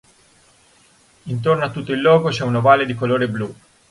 Intorno a tutto il logo c'è un ovale di colore blu.